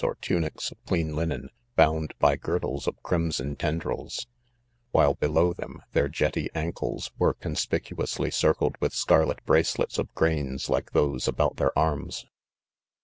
or tunics of clean linen, bound by girdles of crimson ten drils ; while below them, their jetty ancles were conspicuously circled with scarlet bracelets of grains like those about their arms.